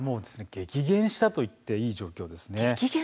激減したと言っていいような状況です。